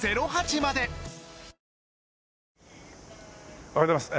おはようございます。